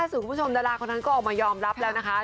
คุณผู้ชมดาราคนนั้นก็ออกมายอมรับแล้วนะคะ